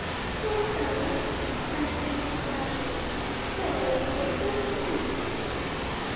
"Poor fellow!" Frank said, dismounting. "Poor old boy, we are friends."